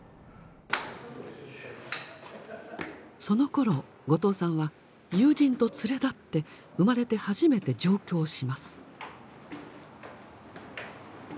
そのころ後藤さんは友人と連れ立って生まれて初めて上京します。